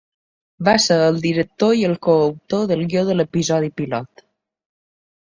Va ser el director i el coautor del guió de l'episodi pilot.